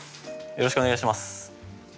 よろしくお願いします。